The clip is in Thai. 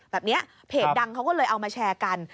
แบบนี้เพจดังเขาก็เลยเอามาแชร์กัน